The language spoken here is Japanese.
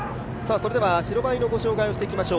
白バイの御紹介をしていきましょう。